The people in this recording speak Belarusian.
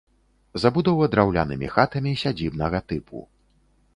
Забудова драўлянымі хатамі сядзібнага тыпу.